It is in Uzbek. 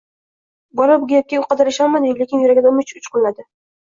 Bola bu gapga u qadar ishonmadi-yu, lekin yuragida umid uchqunladi